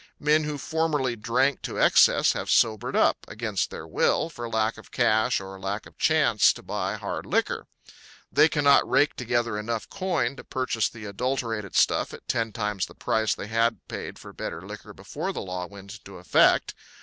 Men who formerly drank to excess have sobered up, against their will, for lack of cash or lack of chance to buy hard liquor. They cannot rake together enough coin to purchase the adulterated stuff at ten times the price they had paid for better liquor before the law went into effect.